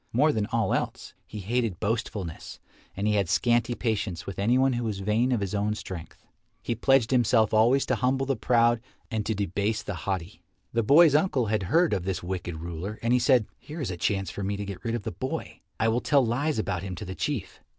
More than all else, he hated boastfulness and he had scanty patience with anyone who was vain of his own strength. He pledged himself always to humble the proud and to debase the haughty. The boy's uncle had heard of this wicked ruler, and he said, "Here is a chance for me to get rid of the boy. I will tell lies about him to the Chief."